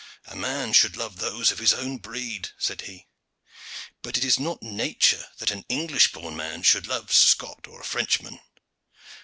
"A man should love those of his own breed," said he. "But it is not nature that an English born man should love a Scot or a Frenchman.